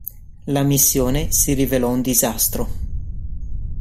La missione si rivelò un disastro.